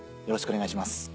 よろしくお願いします。